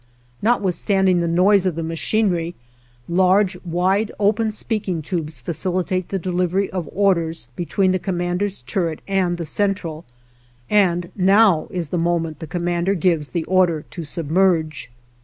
Notwithstanding the noise of the machinery, large, wide open speaking tubes facilitate the delivery of orders between the commander's turret and the Central, and now is the moment the commander gives the order to submerge.